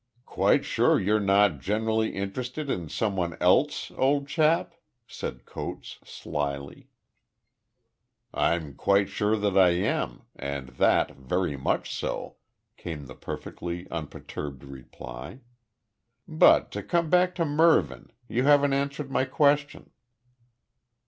"Quite sure you're not `genuinely interested' in some one else, old chap?" said Coates, slily. "I'm quite sure that I am and that very much so," came the perfectly unperturbed reply. "But to come back to Mervyn, you haven't answered my question."